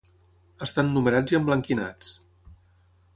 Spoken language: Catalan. Estan numerats i emblanquinats.